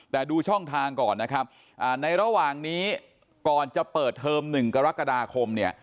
แต่ดูช่องทางก่อนนะครับในระหว่างนี้ก่อนจะเปิดเทอม๑กรกฎาคมเนี่ย